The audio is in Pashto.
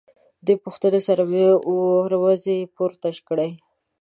دې پوښتنې سره مې وروځې پورته کړې.